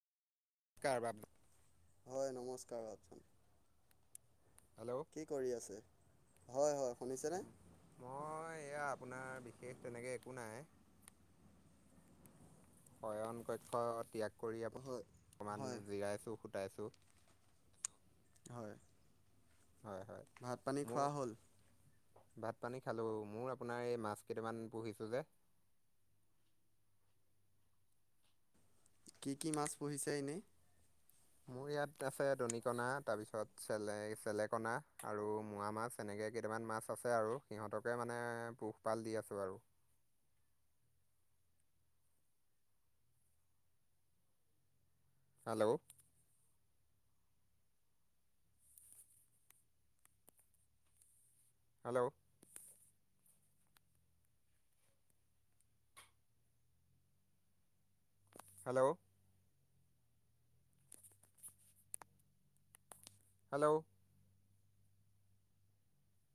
কাৰ বাব হয় নমস্কাৰ ভাবচন হেল্ল' কি কৰি আছে? হয় হয়। শুনিছেনে? মই এয়া আপোনাৰ বিশেষ তেনেকে একো নাই। শয়ন কক্ষ ত্যাগ কৰি আপ হয় অকমান হয় জিৰাইছো ফুটাইছো। হয়। হয় হয়। ভাত পানী মোৰ খোৱা হ'ল? ভাত পানী খালো, মোৰ আপোনাৰ এই মাছ কেইটামান পুহিছো যে কি কি মাছ পুহিছে এনেই? মোৰ ইয়াত আছে দনিকণা তাৰপিছত চেলে চেলেকণা আৰু মোৱা মাছ। তেনেকৈ কেইটামান মাছ আছে আৰু সিহঁতকে মানে পোহপাল দি আছোঁ আৰু। Hello hello hello hello